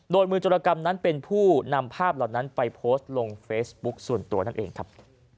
โดยมือจรกรรมนั้นเป็นผู้นำภาพเหล่านั้นไปโพสต์ลงเฟซบุ๊คส่วนตัวนั่นเองครับ